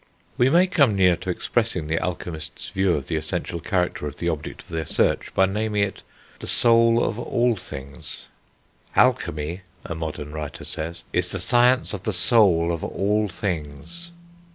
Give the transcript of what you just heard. We may come near to expressing the alchemist's view of the essential character of the object of their search by naming it the soul of all things. "Alchemy," a modern writer says, "is the science of the soul of all things."